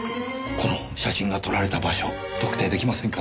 この写真が撮られた場所特定出来ませんかね？